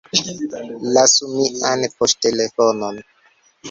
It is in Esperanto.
Lasu mian poŝtelefonon